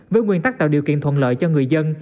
với nguyên tắc tạo điều kiện thuận lợi cho người dân